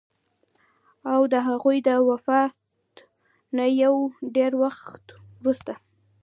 او د هغوي د وفات نه يو ډېر وخت وروستو